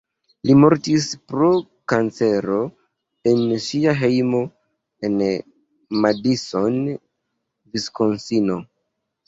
Li mortis pro kancero en sia hejmo en Madison (Viskonsino).